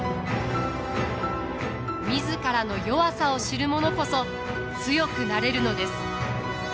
自らの弱さを知る者こそ強くなれるのです。